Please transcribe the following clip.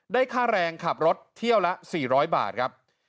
ค่าแรงขับรถเที่ยวละ๔๐๐บาทครับ